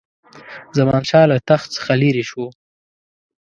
زمانشاه له تخت څخه لیري شو.